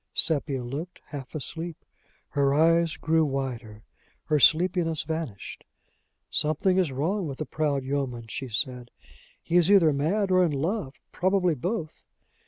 Sepia looked, half asleep. Her eyes grew wider. Her sleepiness vanished. "Something is wrong with the proud yeoman!" she said. "He is either mad or in love, probably both!